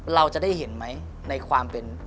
เราจะได้เห็นไหมในความเป็น